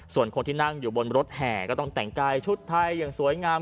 ส่วนคนที่นั่งอยู่บนรถแห่ก็ต้องแต่งกายชุดไทยอย่างสวยงาม